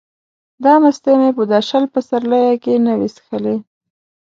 دا مستې مې په دا شل پسرلیه کې نه وې څښلې.